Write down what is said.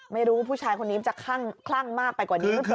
ไม่รู้ว่าผู้ชายคนนี้จะคลั่งมากไปกว่านี้หรือเปล่า